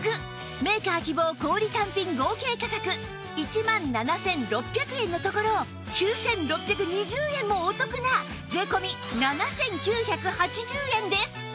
メーカー希望小売単品合計価格１万７６００円のところ９６２０円もお得な税込７９８０円です